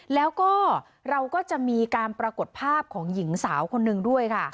แล้วก็เราก็จะมีการปรากฏภาพของหญิงสาวคนนึงด้วยค่ะ